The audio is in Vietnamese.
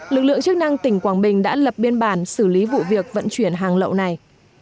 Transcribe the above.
lực lượng chức năng tỉnh quảng bình đã lập biên bản xử lý vụ việc vận chuyển hàng lậu này